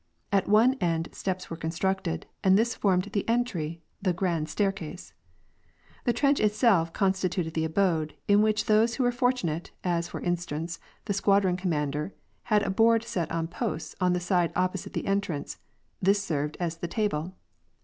At one end steps were constructed, and this form.ed the entry, the ''grand staircase"; the trench itself constituted the abode, in which' those who were fortunate, as, for instance, the squadron commander, had a board set on posts on the side opposite the entrance ; this served as the table.